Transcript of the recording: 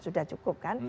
sudah cukup kan